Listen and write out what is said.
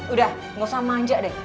udah gak usah manja deh